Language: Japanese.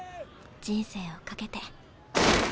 人生を懸けて。